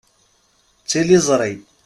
D tiliẓri.